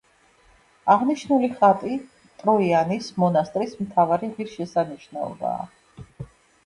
აღნიშნული ხატი ტროიანის მონასტრის მთავარი ღირსშესანიშნაობაა.